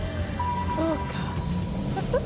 そうか。